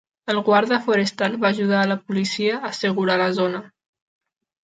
El guàrdia forestal va ajudar a la policia a assegurar la zona.